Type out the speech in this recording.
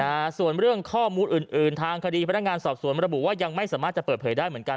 นะฮะส่วนเรื่องข้อมูลอื่นอื่นทางคดีพนักงานสอบสวนระบุว่ายังไม่สามารถจะเปิดเผยได้เหมือนกัน